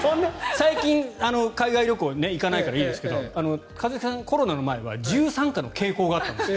最近、海外旅行行かないからいいですけど一茂さん、コロナの前は自由参加の傾向があったので。